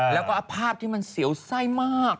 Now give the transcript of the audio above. แล้วก็ภาพที่มันเสียวไส้มาก